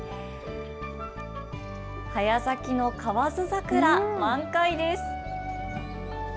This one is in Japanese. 早咲きの河津桜、満開です。